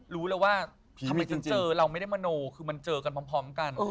รู้แล้วว่าทำไมถึงเจอเราไม่ได้มโนคือมันเจอกันพร้อมกัน